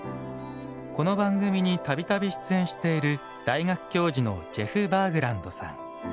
この番組にたびたび出演している大学教授のジェフ・バーグランドさん。